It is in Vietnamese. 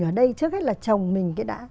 ở đây trước hết là chồng mình